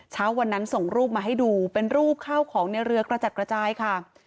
เช้าวันนั้นส่งรูปมาให้ดูเป็นรูปข้าวของในเรือกระจัดกระจายค่ะ